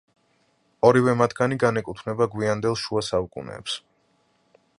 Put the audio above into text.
ორივე მათგანი განეკუთვნება გვიანდელ შუა საუკუნეებს.